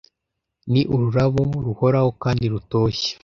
ni ururabo ruhoraho kandi rutoshye